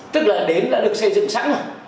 tức là đến đã được xây dựng sẵn rồi